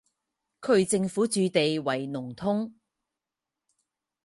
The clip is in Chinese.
区政府驻地为农通。